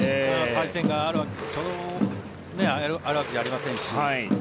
対戦が、そんなにあるわけじゃありませんし。